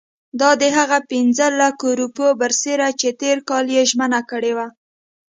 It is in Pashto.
دا د هغه پنځه لکه روپیو برسېره چې تېر کال یې ژمنه کړې وه.